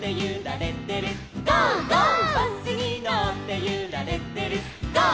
「バスにのってゆられてるゴー！